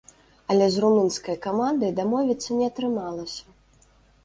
Але з румынскай камандай дамовіцца не атрымалася.